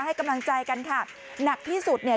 ให้กำลังใจกันค่ะหนักที่สุดเนี่ย